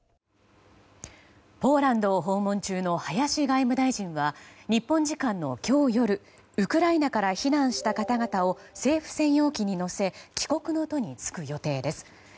ポーランドを訪問中の林外務大臣は日本時間の今日夜ウクライナから避難した方々を政府専用機に乗せ帰国の途に就く予定です。